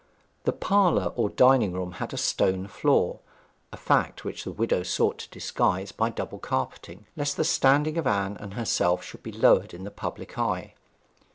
The parlour or dining room had a stone floor a fact which the widow sought to disguise by double carpeting, lest the standing of Anne and herself should be lowered in the public eye.